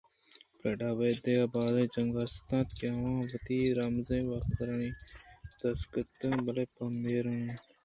فریڈا ءَ ابید دگہ بازیں جنک است اَنت کہ آواں وت ءَ را مزنیں واکدارانی دست ءَ داتگ اَنت بلئے پہ مِہر اِناں